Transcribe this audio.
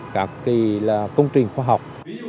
các công trình khoa học